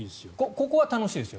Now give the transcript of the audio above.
ここ、楽しいですよ。